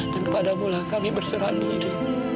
dan kepadamulah kami berserah diri